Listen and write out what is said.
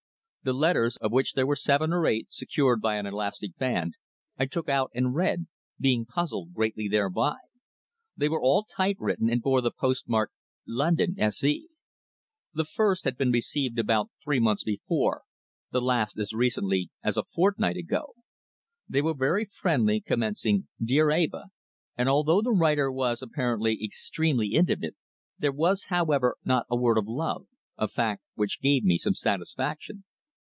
The letters, of which there were seven or eight, secured by an elastic band, I took out and read, being puzzled greatly thereby. They were all type written and bore the post mark "London, S.E." The first had been received about three months before, the last as recently as a fortnight ago. They were very friendly, commencing "Dear Eva," and although the writer was apparently extremely intimate, there was, however, not a word of love, a fact which gave me some satisfaction.